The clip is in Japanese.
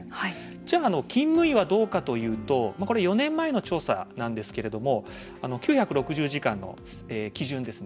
じゃあ、勤務医はどうかといいますと４年前の調査なんですけど９６０時間の基準ですね